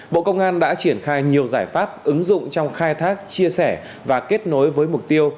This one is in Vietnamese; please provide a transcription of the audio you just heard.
bộ công an đã triển khai nhiều giải pháp ứng dụng trong khai thác chia sẻ và kết nối với mục tiêu